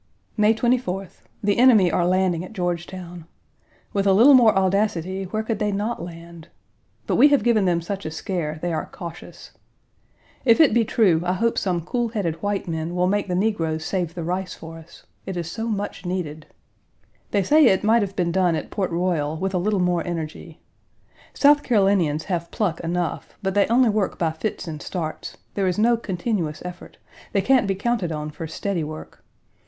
May 24th. The enemy are landing at Georgetown. With a little more audacity where could they not land? But we have given them such a scare, they are cautious. If it be true, I hope some cool headed white men will make the negroes save the rice for us. It is so much needed. They say it might have been done at Port Royal with a little more energy. South Carolinians have pluck enough, but they only work by fits and starts; there is no continuous effort; they can't be counted on for steady work.